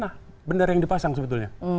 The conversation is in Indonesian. nah bendera yang dipasang sebetulnya